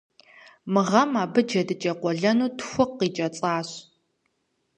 Мы гъэм абы джэдыкӀэ къуэлэну тху къикӀэцӀащ.